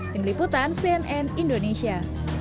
tim liputan cnn indonesia